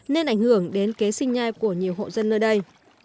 nên ảnh hưởng đến kế sinh nhai của nhiều hộ dân nơi đây